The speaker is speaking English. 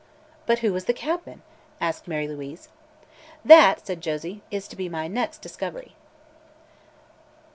"But who was the cabman?" asked Mary Louise. "That," said Josie, "is to be my next discovery."